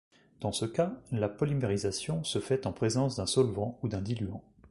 Dans ce cas, la polymérisation se fait en présence d'un solvant ou d'un diluant.